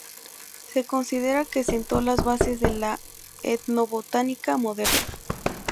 Se considera que sentó las bases de la etnobotánica moderna.